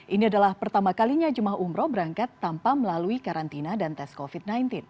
ini adalah pertama kalinya jemaah umroh berangkat tanpa melalui karantina dan tes covid sembilan belas